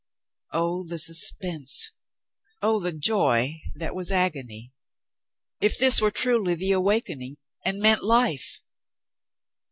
Oh, the suspense ! Oh, the joy that was agony ! If this were truly the awakening and meant life